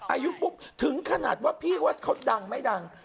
อายุปุ๊บถึงขนาดว่าพี่ว่าเขาดังไม่ดัง